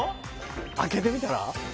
開けてみたら？